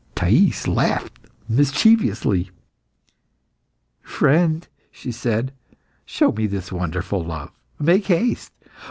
Thais laughed mischievously. "Friend," she said, "show me this wonderful love. Make haste!